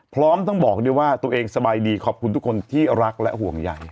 พร้อมทั้งบอกด้วยว่าตัวเองสบายดีขอบคุณทุกคนที่รักและห่วงใหญ่